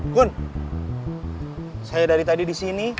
kun saya dari tadi di sini